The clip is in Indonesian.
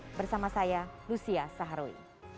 bersama saya lucia saharwi